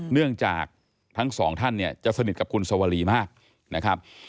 เนื่องจากทั้งสองท่านเนี่ยจะสนิทกับคุณสวรีมากนะครับ